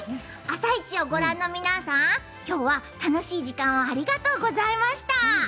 「あさイチ」をご覧の皆さん、きょうは楽しい時間をありがとうございました。